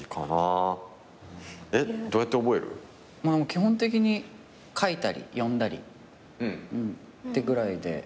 基本的に書いたり読んだりってぐらいで。